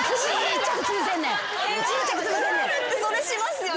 カールってそれしますよね。